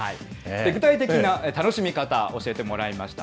具体的な楽しみ方、教えてもらいました。